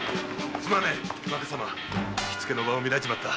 ・すまねえ若様火付けの場を見られちまった。